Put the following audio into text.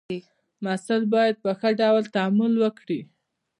محصل باید په ښه ډول تعامل وکړي.